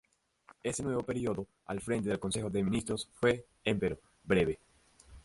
Este nuevo periodo al frente del Consejo de Ministros fue, empero, breve.